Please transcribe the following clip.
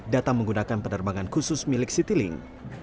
datang menggunakan penerbangan khusus milik citilink